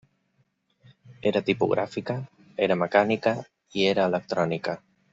Era tipogràfica, era mecànica i era electrònica.